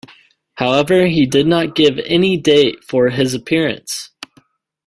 However, he did not give any date for his appearance.